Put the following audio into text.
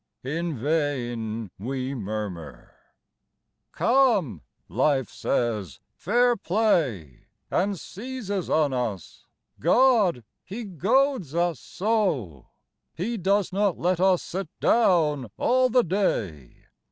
In vain we murmur, "Come," Life says, "fair play!" And seizes on us. God! he goads us so! He does not let us sit down all the day.